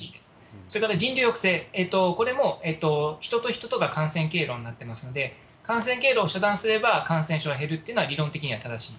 それから人流抑制、これも人と人とが感染経路になってますので、感染経路を遮断すれば、感染症は減るっていうのは、理論的には正しい。